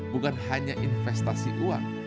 bukan hanya investasi uang